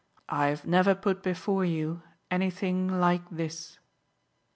I've never put before you anything like this."